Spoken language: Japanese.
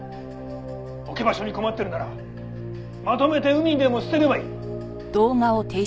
「置き場所に困ってるならまとめて海にでも捨てればいい」